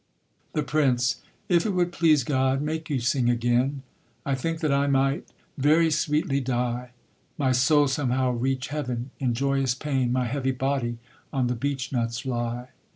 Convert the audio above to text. THE PRINCE. If it would please God make you sing again, I think that I might very sweetly die, My soul somehow reach heaven in joyous pain, My heavy body on the beech nuts lie.